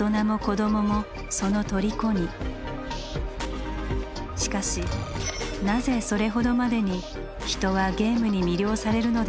しかしなぜそれほどまでに人はゲームに魅了されるのでしょうか？